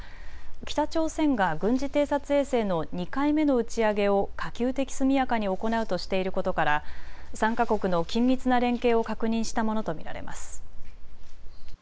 北朝鮮が軍事偵察衛星の２回目の打ち上げを可及的速やかに行うとしていることから３か国の緊密な連携を確認したものと見られます。